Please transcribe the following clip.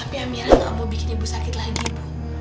tapi amira enggak mau bikin ibu sakit lagi bu